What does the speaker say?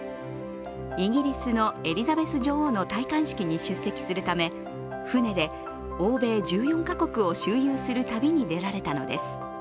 イギリスのエリザベス女王の戴冠式に出席するため船で欧米１４か国を周遊する旅に出られたのです。